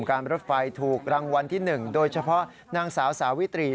ก็ถามเพื่อนเขาดูหนูก็ดีใจค่ะตกใจมากเลย